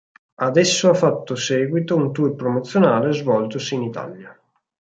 Ad esso ha fatto seguito un tour promozionale svoltosi in Italia.